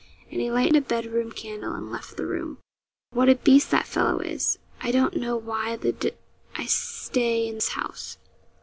And he lighted a bed room candle and left the room. 'What a beast that fellow is. I don't know why the d I stay in his house.'